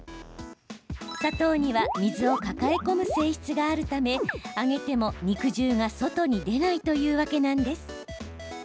砂糖には水を抱え込む性質があるため揚げても肉汁が外に出ないというわけなんです。